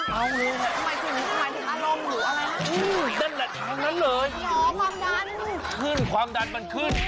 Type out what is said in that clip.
ยกนี้กินอร่อยแล้วขึ้นออกชุดเอาทำไรก็ไม่รอคุณ